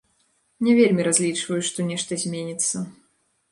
Не вельмі разлічваю, што нешта зменіцца.